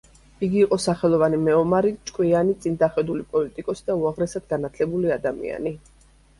იგი იყო სახელოვანი მეომარი, ჭკვიანი, წინდახედული პოლიტიკოსი და უაღრესად განათლებული ადამიანი.